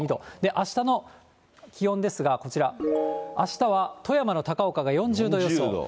あしたの気温ですが、こちら、あしたは富山の高岡が４０度予想。